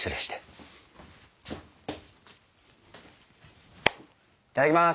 いただきます。